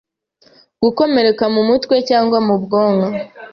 Gukomereka mu mutwe cyangwa ku bwonko